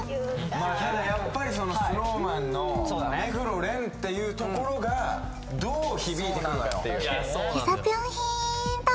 まあただやっぱりそのＳｎｏｗＭａｎの目黒蓮っていうところがどう響いてくるかっていうゆさぴょんヒーント！